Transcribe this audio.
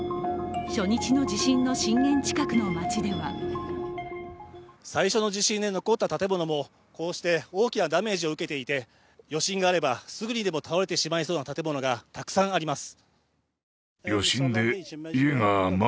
初日の地震の震源近くの街では最初の地震で残った建物もこうして大きなダメージを受けていて余震があれば、すぐにでも倒れてしまいそうな建物がたくさんあります。